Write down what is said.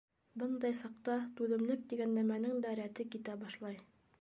Бындай саҡта түҙемлек тигән нәмәнең дә рәте китә башлай.